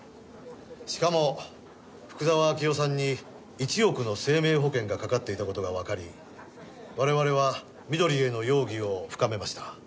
しかも福沢明夫さんに１億の生命保険がかかっていた事がわかり我々は美登里への容疑を深めました。